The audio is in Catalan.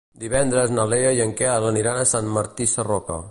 Divendres na Lea i en Quel aniran a Sant Martí Sarroca.